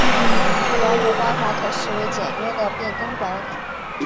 这两种方法可视为简约的变更管理。